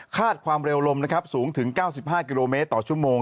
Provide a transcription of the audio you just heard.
ความเร็วลมนะครับสูงถึง๙๕กิโลเมตรต่อชั่วโมง